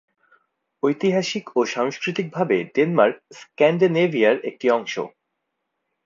ঐতিহাসিক ও সাংস্কৃতিকভাবে ডেনমার্ক স্ক্যান্ডিনেভিয়ার একটি অংশ।